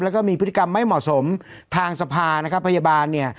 แล้วก็มีพฤติกรรมไม่เหมาะสมทางสภานะครับพยาบาลเนี่ย